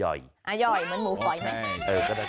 เห็ดมาอย่อยเหมือนหมูฝอยมั้ย